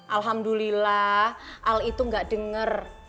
alhamdulillah al itu gak denger